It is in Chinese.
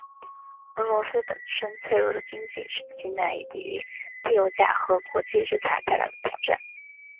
俄罗斯本身脆弱的经济使其难以抵御低油价和国际制裁带来的挑战。